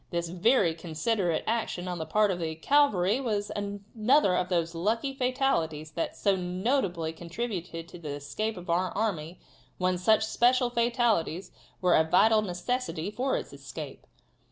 This very considerate action on the part of the cavalry was another of those lucky fatalities that so notably contributed to the escape of our army when such special fatalities were a vital necessity for its escape.